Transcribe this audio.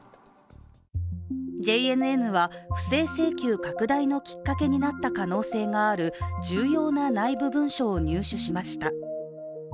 ＪＮＮは不正請求拡大のきっかけになった可能性がある重要な内部文書を入手しました。